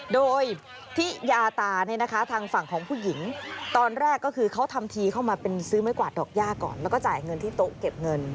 โดยทิยาตาทางฝั่งของผู้หญิง